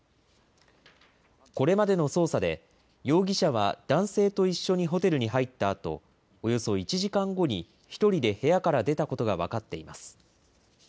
これまでの捜査で容疑者は男性と一緒にホテルに入ったあと、およそ１時間後に１人で部屋から出たことが分かっています。